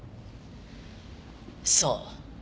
そう。